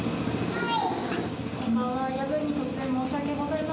はい。